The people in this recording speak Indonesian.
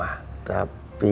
apa pa mama kenapa